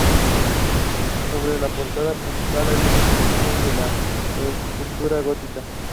Sobre la portada principal hay una colección de escultura gótica.